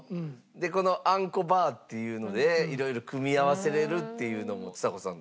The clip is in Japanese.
このあんこバーっていうので色々組み合わせられるっていうのもちさ子さん